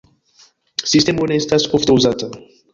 Sistemo ne estas ofte uzata.